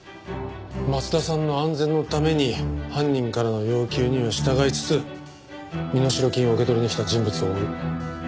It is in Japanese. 松田さんの安全のために犯人からの要求には従いつつ身代金を受け取りに来た人物を追う。